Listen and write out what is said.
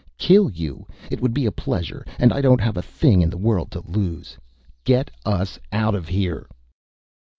Kill you? It would be a pleasure and I don't have a thing in the world to lose! Get us out of here!"